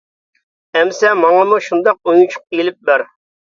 -ئەمىسە ماڭىمۇ شۇنداق ئويۇنچۇق ئېلىپ بەر.